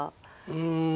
うん。